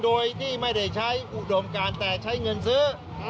โดยที่ไม่ได้ใช้อุดมการแต่ใช้เงินซื้อ